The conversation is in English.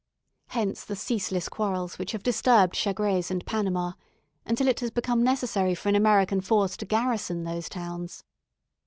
Hence the ceaseless quarrels which have disturbed Chagres and Panama, until it has become necessary for an American force to garrison those towns.